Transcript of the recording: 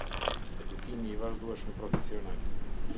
Edukimi i vazhdueshëm profesional.